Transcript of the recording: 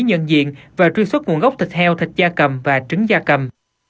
nhận diện và truy xuất nguồn gốc thịt heo thịt da cầm và trứng da cầm